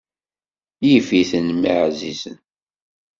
Yif-iten mmi ɛzizen.